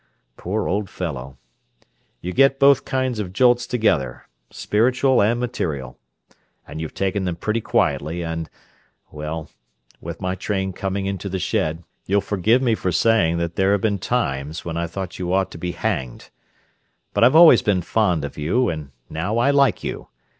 Poor old fellow! You get both kinds of jolts together, spiritual and material—and you've taken them pretty quietly and—well, with my train coming into the shed, you'll forgive me for saying that there have been times when I thought you ought to be hanged—but I've always been fond of you, and now I like you!